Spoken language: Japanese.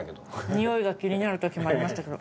においが気になるときもありましたけど。